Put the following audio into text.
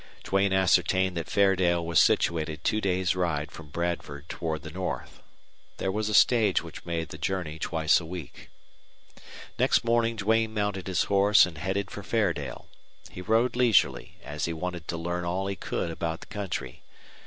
Duane ascertained that Fairdale was situated two days' ride from Bradford toward the north. There was a stage which made the journey twice a week. Next morning Duane mounted his horse and headed for Fairdale. He rode leisurely, as he wanted to learn all he could about the country.